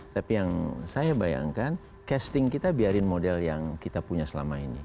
tapi yang saya bayangkan casting kita biarin model yang kita punya selama ini